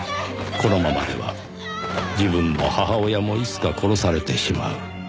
このままでは自分も母親もいつか殺されてしまう。